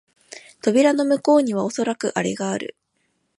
扉の向こうにはおそらくアレがある